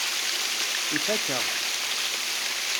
Ifakk-aɣ-t.